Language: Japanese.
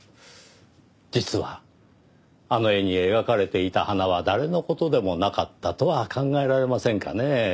実はあの絵に描かれていた花は誰の事でもなかったとは考えられませんかね？